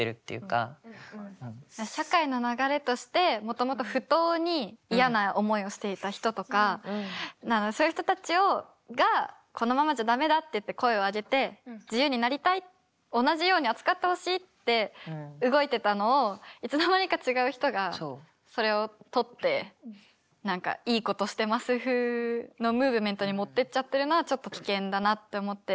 社会の流れとしてもともと不当に嫌な思いをしていた人とかそういう人たちがこのままじゃ駄目だって声を上げて自由になりたい同じように扱ってほしいって動いてたのをいつの間にか違う人がそれを取って何かいいことしてます風のムーブメントに持ってっちゃってるのはちょっと危険だなって思って。